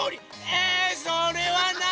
えそれはない！